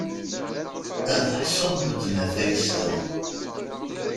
Ad ḥṣun medden ad t-ayseɣ.